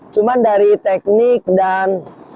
cuma dari teknik dan